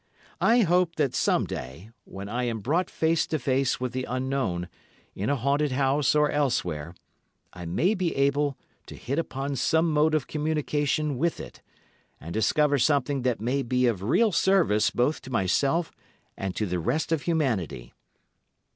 I hope that some day, when I am brought face to face with the Unknown, in a haunted house or elsewhere, I may be able to hit upon some mode of communication with it, and discover something that may be of real service both to myself and to the rest of humanity.